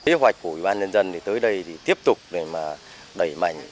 kế hoạch của ubnd tới đây thì tiếp tục để đẩy mạnh